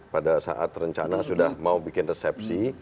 pada saat rencana sudah mau bikin resepsi